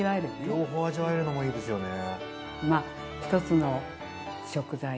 両方味わえるのもいいですよね。